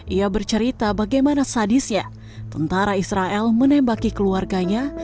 ia bercerita bagaimana sadisnya tentara israel menembaki keluarganya